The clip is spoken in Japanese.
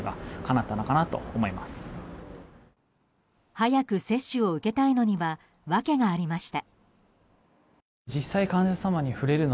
早く接種を受けたいのには訳がありました。